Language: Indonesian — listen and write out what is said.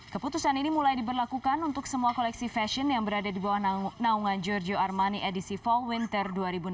keputusan ini mulai diberlakukan untuk semua koleksi fashion yang berada di bawah naungan georgio armani edisi fall winter dua ribu enam belas